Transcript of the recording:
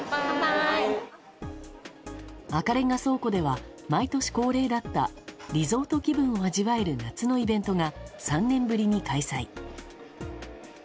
赤レンガ倉庫では毎年恒例だったリゾート気分を味わえる夏のイベントが３年ぶりに開催。